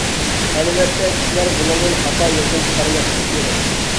ئەلۋەتتە، كىشىلەر بۇنىڭدىن خاتا يەكۈن چىقارماسلىقى كېرەك.